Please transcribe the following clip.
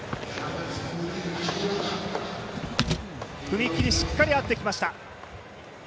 踏み切りしっかりあってきました。